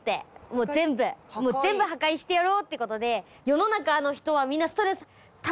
もう全部破壊してやろうっていう事で。